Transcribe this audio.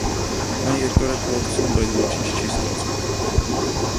Նա երկար է փորձում, բայց ոչինչ չի ստացվում։